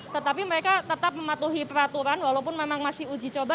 tetapi mereka tetap mematuhi peraturan walaupun memang masih uji coba